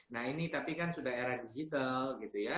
nah ini kan sudah era digital